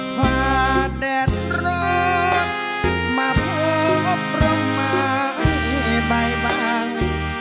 ฟ้าแดดรอดมาพบเรามาให้ใบบ้าง